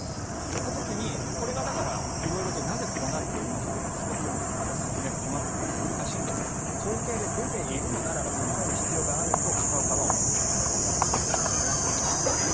って時に、これがだから色々と、なぜこうなっているのかというのはすごく説明細かくて難しいんですけど統計で出ているのならば備える必要があると片岡。